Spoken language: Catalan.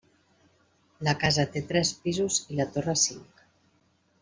La casa té tres pisos i la torre cinc.